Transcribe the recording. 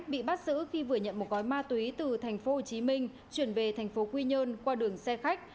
bị bắt giữ khi vừa nhận một gói ma túy từ tp hcm chuyển về thành phố quy nhơn qua đường xe khách